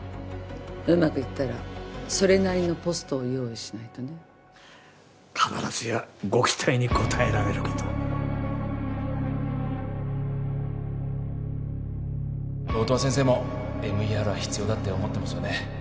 うまくいったらそれなりのポストを用意しないとね必ずやご期待に応えられるかと音羽先生も ＭＥＲ は必要だって思ってますよね